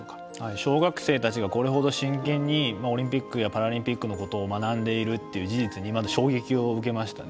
小学生たちがこれほど真剣にオリンピックやパラリンピックのことを学んでいることにまず衝撃を受けました。